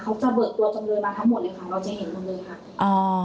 เขาจะเบิกตัวจำเลยมาทั้งหมดเลยค่ะ